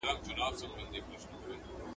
زه ستړی، ته ناراضه.